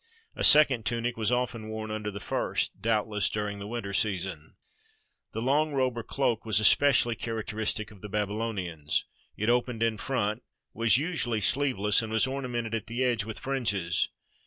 A second tunic was often worn under the first, doubtless during the winter season. The long robe or cloak was specially characteristic of the Babylonians. It opened in front, was usually sleeve less, and was ornamented at the edge with fringes.